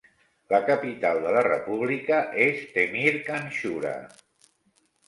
La capital de la República és Temir-Khan-Shura.